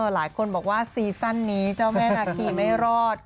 หลายคนบอกว่าซีซั่นนี้เจ้าแม่นาคีไม่รอด